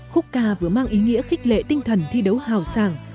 khúc ca vừa mang ý nghĩa khích lệ tinh thần thi đấu hào sàng